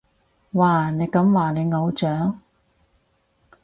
哇，你咁話你偶像？